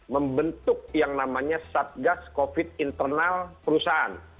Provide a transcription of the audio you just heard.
membentuk yang namanya satgas covid internal perusahaan